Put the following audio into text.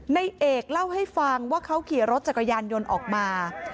ในเอกเล่าให้ฟังว่าเขาขี่รถจักรยานยนต์ออกมา